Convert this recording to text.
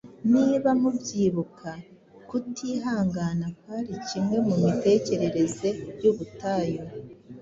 Niba mubyibuka, kutihangana kwari kimwe mu mitekerereze y’ubutayu